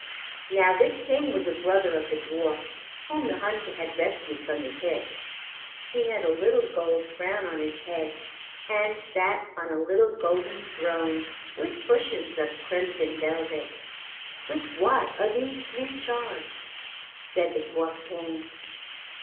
Now this King was a brother of the dwarf whom the hunter had rescued from the pit. He had a little gold crown on his head, and sat on a little golden throne with cushions of crimson velvet. "With what are these three charged?" said the Dwarf King.